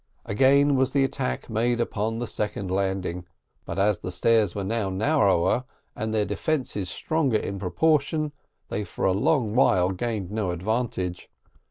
Again was the attack made upon the second landing, but, as the stairs were now narrower, and their defences stronger in proportion, they for a long while gained no advantage.